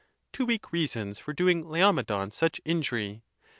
Too weak reasons for doing Laomedon such injury!